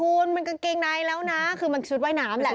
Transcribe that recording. คุณมันกางเกงในแล้วนะคือมันชุดว่ายน้ำแหละ